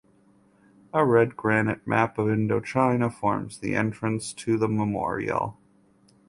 A red granite map of Indochina forms the entrance to the memorial.